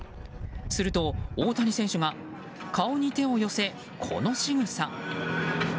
すると大谷選手が顔に手を寄せこのしぐさ。